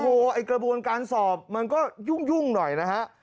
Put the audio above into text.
โอ้โหไอ้กระบวนการสอบมันก็ยุ่งหน่อยนะฮะ